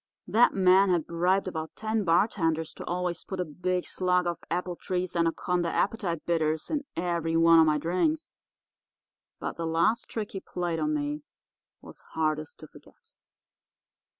That man had bribed about ten bartenders to always put a big slug of Appletree's Anaconda Appetite Bitters in every one of my drinks. But the last trick he played me was hardest to forget.